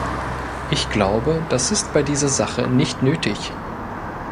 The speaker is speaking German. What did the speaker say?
Ich glaube, das ist bei dieser Sache nicht nötig.